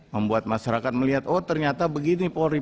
membuat masyarakat melihat oh ternyata begini polri